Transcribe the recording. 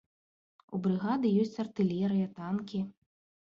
У брыгады ёсць артылерыя, танкі.